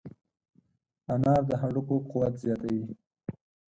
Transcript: انار د هډوکو قوت زیاتوي.